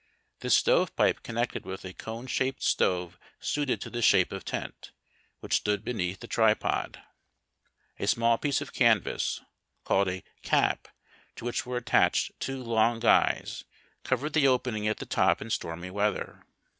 This stove pipe connected with a cone shaped stove suited to this shape of tent, which stood beneath the tripod. A small piece of canvas, called a m/?, to which were attached two long guys, covered the opening at the top in stormy weather.